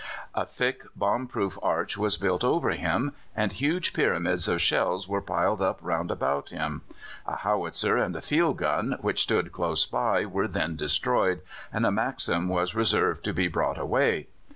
A thick bomb proof arch was built over him, and huge pyramids of shells were piled up round about him. A Howitzer and a field gun, which stood close by, were then destroyed, and a Maxim was reserved to be brought away.